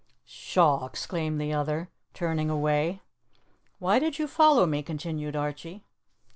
"Pshaw!" exclaimed the other, turning away. "Why did you follow me?" continued Archie.